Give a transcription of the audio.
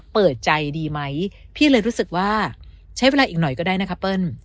เปิดใจดีไหมพี่เลยรู้สึกว่าใช้เวลาอีกหน่อยก็ได้นะคะเปิ้ล